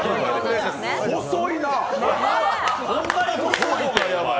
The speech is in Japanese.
細いな！